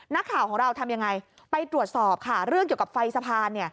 นักข่าวของเราทำยังไงไปตรวจสอบค่ะเรื่องเกี่ยวกับไฟสะพาน